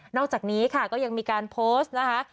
อกจากนี้ค่ะก็ยังมีการโพสต์นะคะ